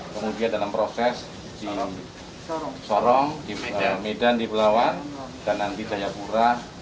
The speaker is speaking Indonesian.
kemudian dalam proses di sorong medan di belawan dan nanti di dayakura